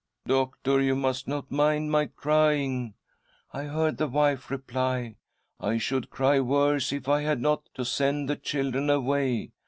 "'Doctor, you must not mind my crying,' I heard the wife reply ;' I should cry worse if I had not to send the children away.